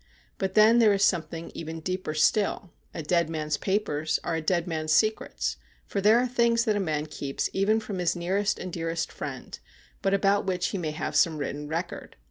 But then there is something even deeper still — a dead man's papers are a dead man's secrets, for there are things that a man keeps even from his nearest and dearest friend, but about which he may have some written record.